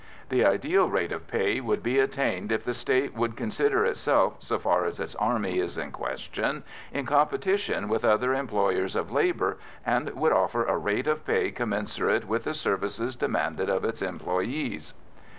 The ideal rate of pay would be attained if the State would consider itself, so far as its army is in question, in competition with all other employers of labour, and would offer a rate of pay commensurate with the services demanded of its employees.